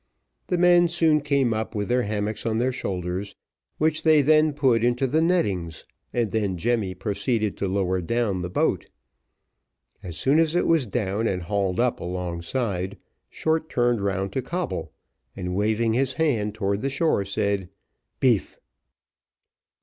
The men soon came up with their hammocks on their shoulders, which they put into the nettings, and then Jemmy proceeded to lower down the boat. As soon as it was down and hauled up alongside, Short turned round to Coble, and waving his hand towards the shore, said, "Beef."